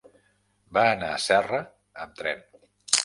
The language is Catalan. Va anar a Serra amb tren.